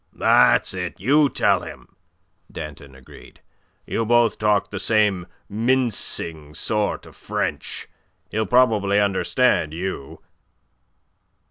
"That's it. You tell him," Danton agreed. "You both talk the same mincing sort of French. He'll probably understand you."